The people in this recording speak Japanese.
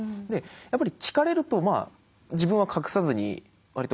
やっぱり聞かれると自分は隠さずに割と